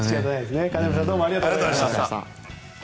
金村さんどうもありがとうございました。